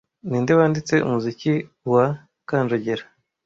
Ninde wanditse umuziki wa kanjogera